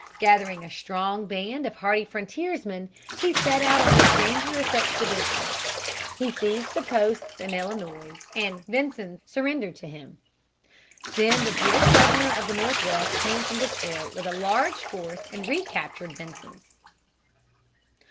Gathering a strong band of hardy frontiersmen he set out on his dangerous expedition. He seized the posts in Illinois, and Vincennes surrendered to him. Then the British governor of the Northwest came from Detroit with a large force and recaptured Vincennes.